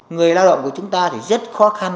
người lao động của chúng ta thì rất khó khăn